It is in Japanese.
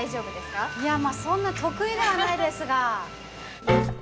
いやまあそんな得意ではないですが。